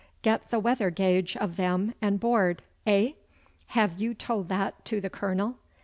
Get the weather gauge of them and board eh? Have you told that to the Colonel?